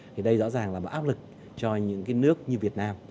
thì đây rõ ràng là áp lực cho những cái nước như việt nam